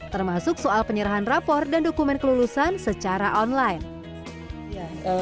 termasuk soal penyerahan rapor dan dokumen kelulusan secara online